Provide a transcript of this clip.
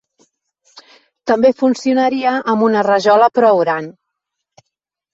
També funcionaria amb una rajola prou gran.